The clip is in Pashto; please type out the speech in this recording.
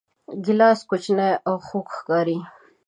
ګیلاس کوچنی او خوږ ښکاري.